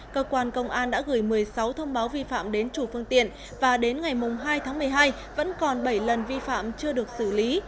cơ quan công an đã gửi một mươi sáu thông báo vi phạm đến chủ phương tiện và đến ngày hai tháng một mươi hai vẫn còn bảy lần vi phạm chưa được xử lý